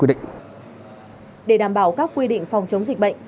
để đảm bảo các quy định phòng chống dịch bệnh